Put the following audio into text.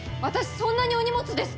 そんなにお荷物ですか！？